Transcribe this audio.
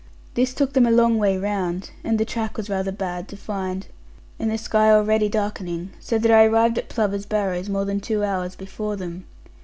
This took them a long way round, and the track was rather bad to find, and the sky already darkening; so that I arrived at Plover's Barrows more than two hours before them.